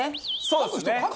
そうですね。